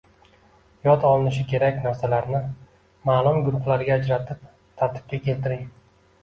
Yod olinishi kerak narsalarni ma’lum guruhlarga ajratib, tartibga keltiring.